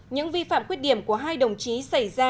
những vi phạm khuyết điểm của hai đồng chí xảy ra